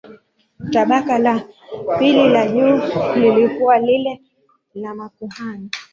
Tabaka la pili la juu lilikuwa lile la makuhani.